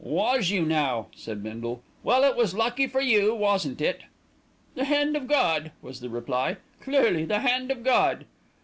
"Was you now?" said Bindle. "Well, it was lucky for you, wasn't it?" "The hand of God," was the reply; "clearly the hand of God."